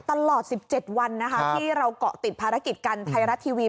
ตลอด๑๗วันนะคะที่เราเกาะติดภารกิจกันไทยรัฐทีวี